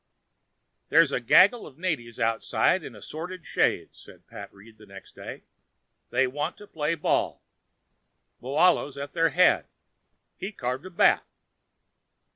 "There's a gaggle of natives outside in assorted shades," said Pat Reed the next day. "They want to play ball. Moahlo's at their head. He carved a bat."